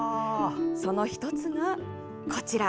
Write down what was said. その１つが、こちら。